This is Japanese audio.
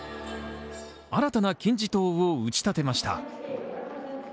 新たな金字塔を打ち立てました。